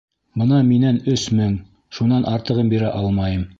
Бына минән өс мең, шунан артығын бирә алмайым.